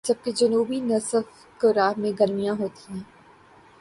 جبکہ جنوبی نصف کرہ میں گرمیاں ہوتی ہیں